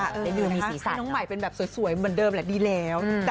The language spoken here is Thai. เดี๋ยวดูภาพให้น้องใหม่เป็นแบบสวยเหมือนเดิมแหละดีแล้ว